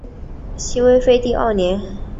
西魏废帝二年。